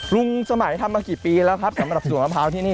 ลุงสมัยทำมากี่ปีแล้วครับสำหรับสวนมะพร้าวที่นี่